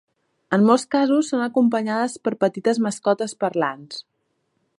En molts casos són acompanyades per petites mascotes parlants.